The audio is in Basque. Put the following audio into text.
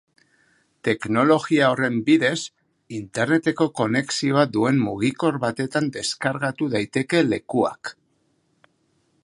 Teknologia horren bidez, interneteko konexioa duen mugikor batetan deskargatu daiteke lekuak.